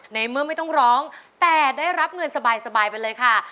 ในเมื่อไม่ต้องร้องแต่ได้รับเงินสบายไปเลยค่ะ